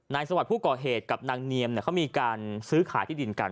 สวัสดิ์ผู้ก่อเหตุกับนางเนียมเขามีการซื้อขายที่ดินกัน